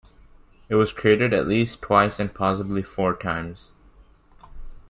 It was created at least twice and possibly four times.